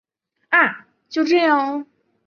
啊！就这样喔